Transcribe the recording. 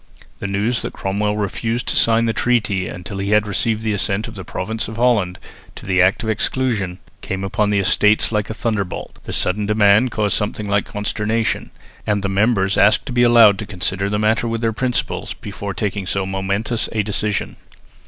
The news that Cromwell refused to sign the treaty until he received the assent of the Province of Holland to the Act of Exclusion came upon the Estates like a thunder bolt. The sudden demand caused something like consternation, and the members asked to be allowed to consider the matter with their principals before taking so momentous a decision.